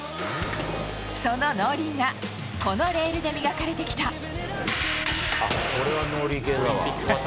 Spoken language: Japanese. そのノーリーがこのレールで磨かれてきた。